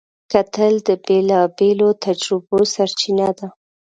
کتل د بېلابېلو تجربو سرچینه ده